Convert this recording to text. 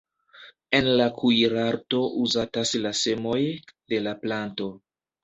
En la kuirarto uzatas la semoj de la planto.